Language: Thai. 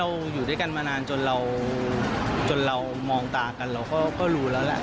อยู่ด้วยกันมานานจนเราจนเรามองตากันเราก็รู้แล้วแหละ